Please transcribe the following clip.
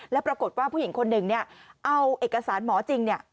แล้วปรากฏว่าผู้หญิงคนหนึ่งเอาเอกสารหมอจริง